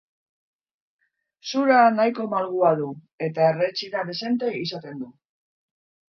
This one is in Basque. Zura nahiko malgua du, eta erretxina dezente izaten du.